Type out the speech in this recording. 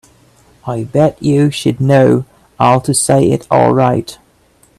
I bet you she'd know how to say it all right.